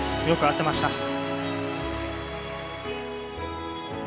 よく合っていました。